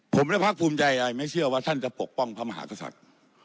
ผมและภาคภูมิใจอะไรไม่เชื่อว่าท่านจะปกป้องพระมหากษัตริย์